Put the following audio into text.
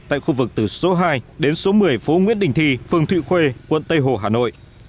tại khu vực từ số hai đến số một mươi phố nguyễn đình thi phường thụy khuê quận tây hồ hà nội